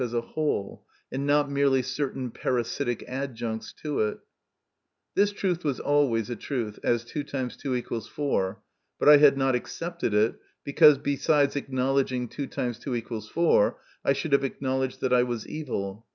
as a whole, and not merely certain parasitic adjuncts to it. This truth was always a truth, as 2 x 2 = 4, but I had not accepted it, because, besides acknowledging 2x2 = 4, I should have acknowledged that I was evil.